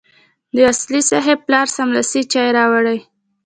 د اصولي صیب پلار سملاسي چای راوړې.